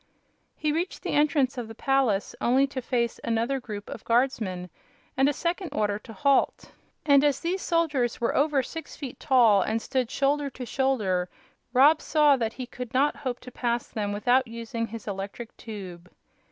He reached the entrance of the palace only to face another group of guardsmen and a second order to halt, and as these soldiers were over six feet tall and stood shoulder to shoulder Rob saw that he could not hope to pass them without using his electric tube.